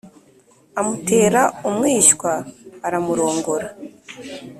amutera umwishywa, aramurongora